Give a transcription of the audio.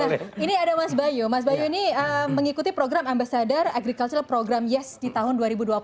nah ini ada mas bayu mas bayu ini mengikuti program ambasador agriculcil program yes di tahun dua ribu dua puluh